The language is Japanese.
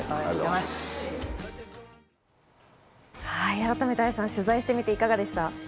改めて愛さん、取材してみていかがでしたか？